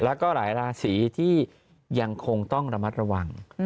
แล้วก็หลายราศีที่ยังคงต้องระมัดระวัง